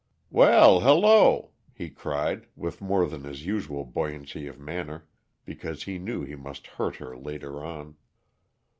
"Well, hello!" he cried, with more than his usual buoyancy of manner because he knew he must hurt her later on.